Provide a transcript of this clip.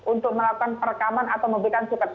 untuk melakukan perekaman atau memberikan super